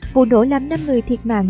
vụ nổ làm năm người thiệt mạng